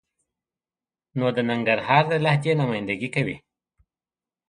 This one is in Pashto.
نو د ننګرهار د لهجې نماینده ګي کوي.